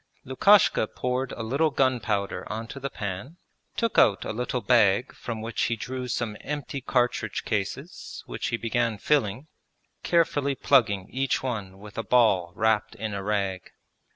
Lukashka poured a little gunpowder onto the pan, took out a little bag from which he drew some empty cartridge cases which he began filling, carefully plugging each one with a ball wrapped in a rag.